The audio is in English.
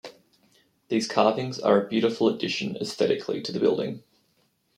These carvings are a beautiful addition aesthetically to the building.